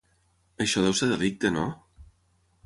Això deu ser delicte, no?